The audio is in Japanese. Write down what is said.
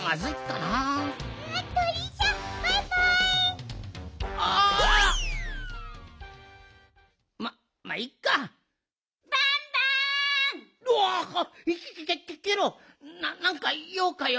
なっなんかようかよ。